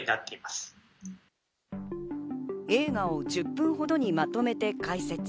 映画を１０分ほどにまとめて解説。